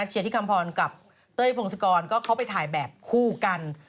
เชียร์ที่คำพรกับเต้ยพงศกรก็เข้าไปถ่ายแบบคู่กัน